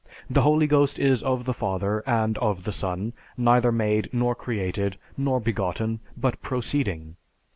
The Holy Ghost is of the Father and of the Son, neither made nor created, nor begotten, but proceeding....